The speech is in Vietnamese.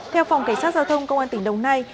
theo phòng cảnh sát giao thông công an tỉnh đồng nai